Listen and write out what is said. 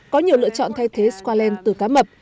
có nhiều lựa chọn thay thế scorent từ cá mập